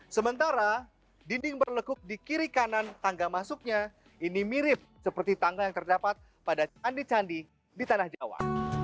sementara dinding berlekuk di kiri kanan tangga masuknya ini mirip seperti tangga yang terdapat pada candi candi di tanah jawa